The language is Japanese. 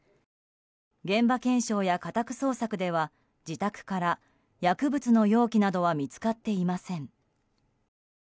現場検証や家宅捜索では自宅から薬物の容器などは見つかっていません。